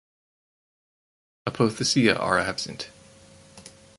Apothecia are absent.